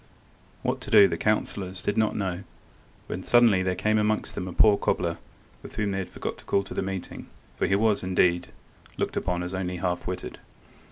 What to do the councillors did not know, when suddenly there came amongst them a poor cobbler, whom they had forgot to call to the meeting, for he was, indeed, looked upon as only half–witted.